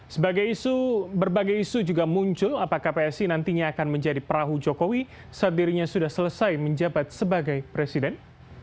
sebagai isu berbagai isu juga muncul apakah psi nantinya akan menjadi perahu jokowi saat dirinya sudah selesai menjabat sebagai presiden